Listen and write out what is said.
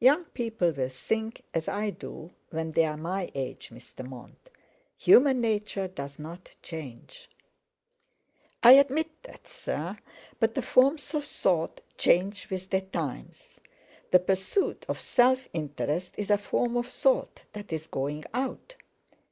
"Young people will think as I do when they're my age, Mr. Mont. Human nature doesn't change." "I admit that, sir; but the forms of thought change with the times. The pursuit of self interest is a form of thought that's going out."